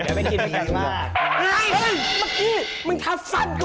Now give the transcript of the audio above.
แกไม่กินไว้กันมาก